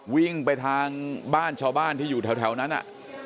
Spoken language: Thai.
วิ่งไปทางบ้านชาวบ้านที่อยู่แถวนั้น